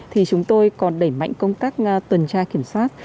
thì chúng tôi còn đẩy mạnh công tác tuần tra kiểm soát